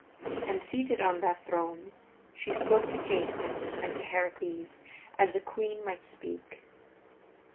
And seated on that throne she spoke to Jason and to Heracles as a queen might speak.